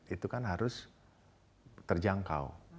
itu kan harus terjangkau